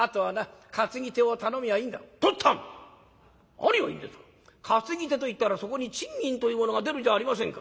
何を言うんですか担ぎ手といったらそこに賃金というものが出るじゃありませんか。